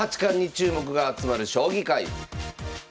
注目が集まる将棋界。